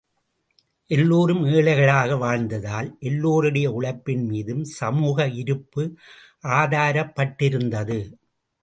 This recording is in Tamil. எல்லோரும் ஏழைகளாக வாழ்ந்ததால் எல்லோருடைய உழைப்பின்மீதும் சமூக இருப்பு ஆதாரப்பட்டிருந்தது.